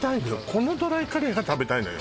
このドライカレーが食べたいのよ